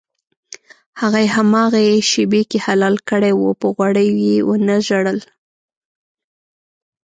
هغه یې هماغې شېبه کې حلال کړی و په غوړیو یې ونه ژړل.